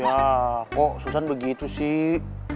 ya kok susan begitu sih